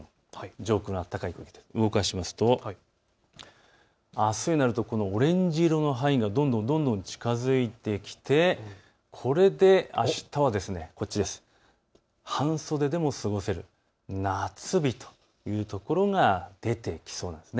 上空の暖かい空気、動かしますと、あすになるとこのオレンジ色の範囲がどんどん近づいてきてあしたは半袖でも過ごせる夏日ということところが出てきそうなんです。